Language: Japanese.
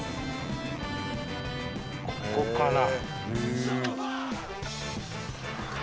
ここかな。